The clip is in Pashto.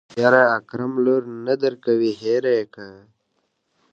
يره اکرم لور نه درکوي هېره يې که.